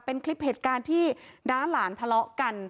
เป็นคลิปเหตุการณ์ที่น้าหลานทะเลาะกัน